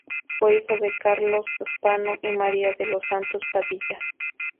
Fue hijo de Carlos Spano y María de los Santos Padilla.